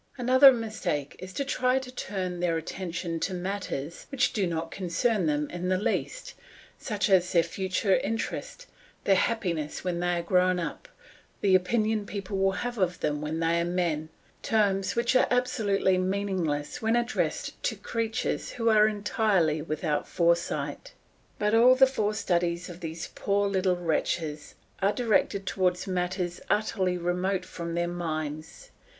Another mistake is to try to turn their attention to matters which do not concern them in the least, such as their future interest, their happiness when they are grown up, the opinion people will have of them when they are men terms which are absolutely meaningless when addressed to creatures who are entirely without foresight. But all the forced studies of these poor little wretches are directed towards matters utterly remote from their minds.